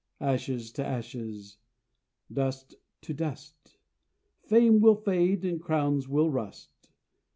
Ashes to ashes, dust to dust, Fame will fade and crowns will rust.